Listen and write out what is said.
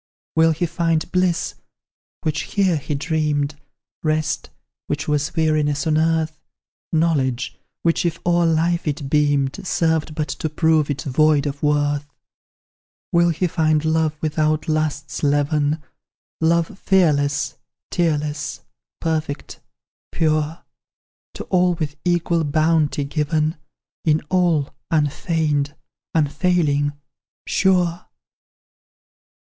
"Will he find bliss, which here he dreamed? Rest, which was weariness on earth? Knowledge, which, if o'er life it beamed, Served but to prove it void of worth? "Will he find love without lust's leaven, Love fearless, tearless, perfect, pure, To all with equal bounty given; In all, unfeigned, unfailing, sure?